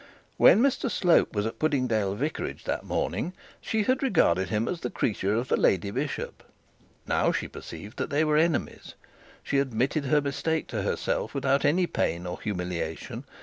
When Mr Slope was at Puddingdale vicarage that morning she had regarded him as the creature of the lady bishop; now she perceived that they were enemies. She admitted her mistake to herself without any pain or humiliation.